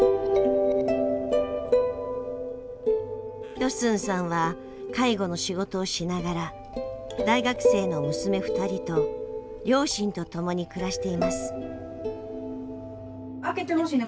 ヨスンさんは介護の仕事をしながら大学生の娘２人と両親とともに暮らしています。